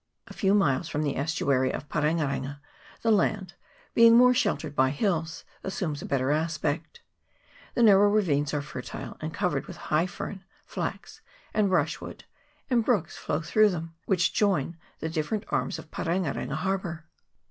A few miles from the estuary of Parenga renga the land, being more sheltered by hills, assumes a better aspect ; the nar row ravines are fertile, and covered with high fern, flax, and brush wood, and brooks flow through them, which join the different arms of Parenga renga har bour.